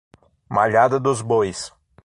Malhada dos Bois